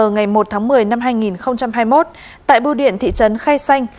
ngày một tháng một mươi năm hai nghìn hai mươi một tại bưu điện thị trấn khai xanh